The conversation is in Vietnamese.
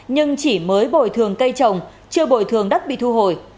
nhưng chỉ mới bồi thường cây trồng chưa bồi thường đất bị thu hồi